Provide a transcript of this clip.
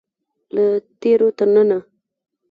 له تیرو تر ننه.